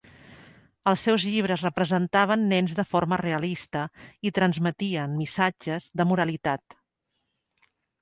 Els seus llibres representaven nens de forma realista i transmetien missatges de moralitat.